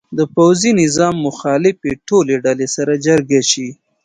د پوځي نظام مخالفې ټولې ډلې سره جرګه شي.